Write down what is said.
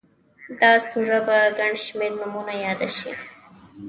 دا سوره په گڼ شمېر نومونو ياده شوې